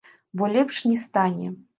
Бо лепш не стане.